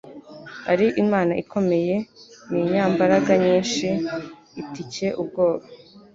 ari Imana ikomeye ni inyambaraga nyinshi itcye ubwoba...